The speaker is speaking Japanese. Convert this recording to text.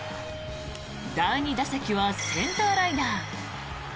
第２打席はセンターライナー。